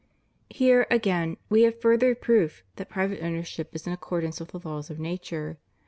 Here, again, we have further proof that private owner ship is in accordance with the law of nature.